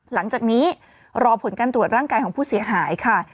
หลังจากนี้รอผลการตรวจร่างกายของผู้เสียหายค่ะ